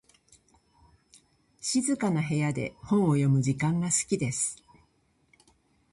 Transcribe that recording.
静かな部屋で本を読む時間が好きです。